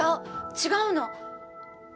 違うの。